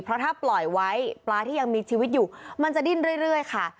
เพราะถ้าปล่อยไว้ปลาที่ยังมีชีวิตอยู่มันจะดิ้นเรื่อยค่ะ